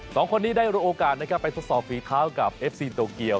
สองคนนี้ได้โอกาสนะครับไปทดสอบฝีเท้ากับเอฟซีโตเกียว